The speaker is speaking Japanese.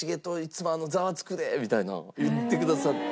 みたいな言ってくださって。